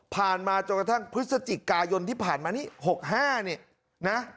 มาจนกระทั่งพฤศจิกายนที่ผ่านมานี่๖๕เนี่ยนะ